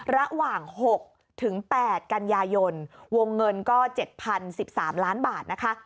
ระหว่าง๖๘กันยายนวงเงินก็๗๐๑๓ล้านบาทนะคะ